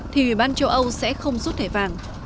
thì ubnd châu âu sẽ không rút thẻ vàng